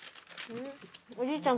おじいちゃん